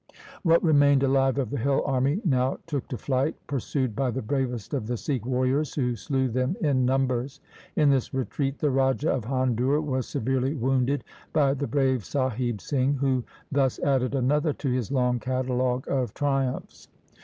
What remained alive of the hill army now took to flight pursued by the bravest of the Sikh warriors who slew them in numbers. In this retreat the Raja of Handur was severely wounded by the brave Sahib Singh, who thus added another to his long catalogue of triumphs.